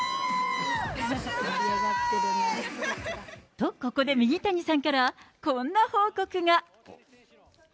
と、ここでミニタニさんから、こんな報告が。